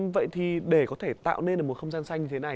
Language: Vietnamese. vậy thì để có thể tạo nên được một không gian xanh như thế này